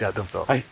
はい。